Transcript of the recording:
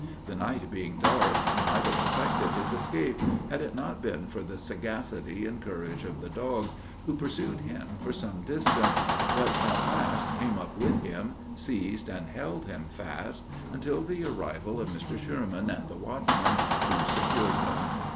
The night being dark, he might have effected his escape, had it not been for the sagacity and courage of the dog, who pursued him for some distance, but at last came up with him, seized and held him fast, until the arrival of Mr. Schureman and the watchmen, who secured him.